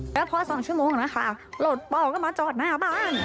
แล้วพอ๒ชั่วโมงนะคะรถปอก็มาจอดหน้าบ้าน